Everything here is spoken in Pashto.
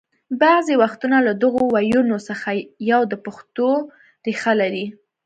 بعضې وختونه له دغو ويونو څخه یو د پښتو ریښه لري